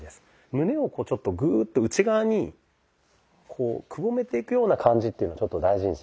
胸をちょっとグーッと内側にこうくぼめていくような感じっていうのを大事にします。